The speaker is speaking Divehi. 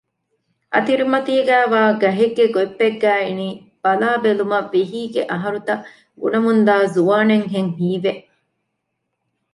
އަތިރިމަތީގައިވާ ގަހެއްގެ ގޮތްޕެއްގައި އިނީ ބަލާބެލުމަށް ވިހީގެ އަހަރުތައް ގުނަމުންދާ ޒުވާނެއްހެން ހީވެ